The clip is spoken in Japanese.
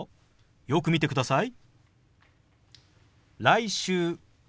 よく見てください。